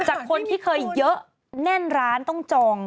จากคนที่เคยเยอะแน่นร้านต้องจอง